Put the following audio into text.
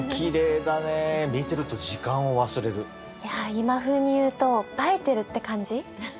今風にいうと映えてるって感じ？